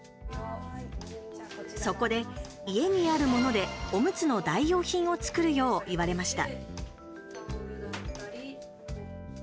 そこで、家にあるものでおむつの代用品を作るよう言われました。